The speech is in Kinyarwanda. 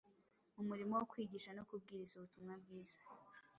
mu murimo wo kwigisha no kubwiriza ubutumwa bwiza,